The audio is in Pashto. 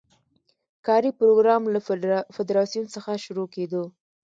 کاري پروګرام له فدراسیون څخه شروع کېدو.